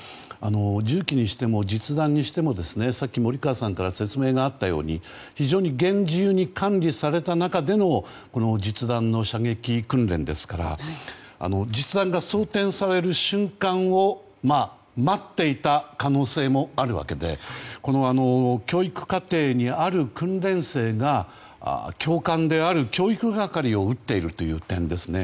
銃器にしても実弾にしても森川さんから説明があったように非常に厳重に管理された中での実弾の射撃訓練ですから実弾が装填される瞬間を待っていた可能性もあるわけで教育課程にある訓練生が教官である教育係を撃っているという点ですね。